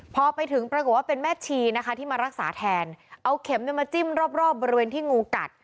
พอไปถึงปรากฏว่าเป็นแม่ชีนะคะที่มารักษาแทนเอาเข็มเนี่ยมาจิ้มรอบรอบบริเวณที่งูกัด